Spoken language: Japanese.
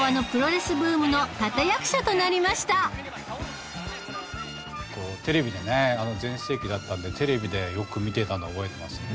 昭和のテレビでね全盛期だったのでテレビでよく見てたのを覚えてます。